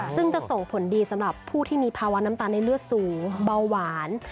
ซึ่งจะส่งผลดีสำหรับผู้ที่มีภาวะน้ำตาลในเลือดสูงเบาหวาน